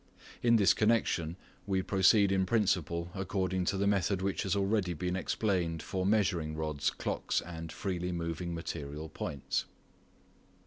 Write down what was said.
In this connection we proceed in principle according to the method which has already been explained for measuring rods, clocks and freely moving material points.